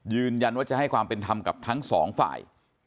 ยืนยันว่าจะให้ความเป็นธรรมกับทั้งสองฝ่าย